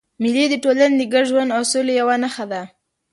مېلې د ټولني د ګډ ژوند او سولي یوه نخښه ده.